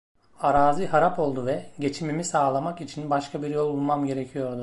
Arazi harap oldu ve geçimimi sağlamak için başka bir yol bulmam gerekiyordu.